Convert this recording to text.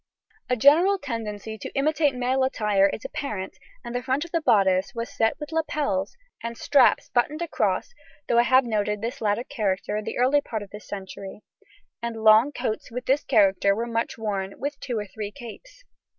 A general tendency to imitate male attire is apparent, and the front of the bodice was set with lapels and straps buttoned across (though I have noted this latter character in the early part of this century), and long coats with this character were much worn, with two or three capes.